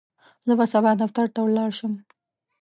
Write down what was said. زه به سبا دفتر ته ولاړ شم.